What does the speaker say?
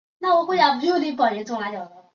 适应症包含妊娠高血压以及。